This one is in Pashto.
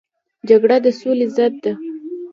جګړه د سولې ضد ده